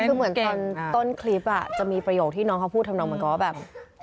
คือเหมือนตอนต้นคลิปจะมีประโยคที่น้องเขาพูดทำนองเหมือนกับว่าแบบ